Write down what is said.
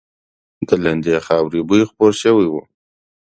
د لندې خاورې بوی خپور شوی و.